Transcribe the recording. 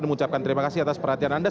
mau ucapkan terima kasih atas perhatian anda